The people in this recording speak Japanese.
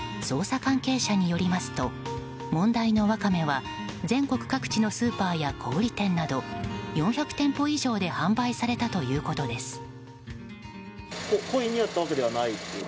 捜査関係者によりますと問題のワカメは全国各地のスーパーや小売店など４００店舗以上で販売されたということです。